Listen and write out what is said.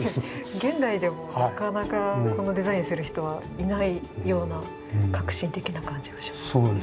現代でもなかなかこんなデザインする人はいないような革新的な感じがします。